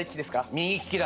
右利きだ。